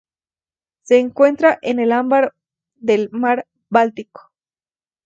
Se encuentra en el ambar del mar Báltico.